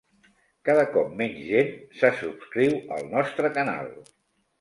Cada cop menys gent se subscriu al nostre canal.